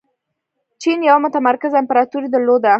چین یوه متمرکزه امپراتوري درلوده.